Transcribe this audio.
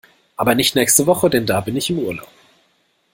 Aber nicht nächste Woche, denn da bin ich im Urlaub.